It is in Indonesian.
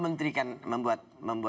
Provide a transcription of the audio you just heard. menteri kan membuat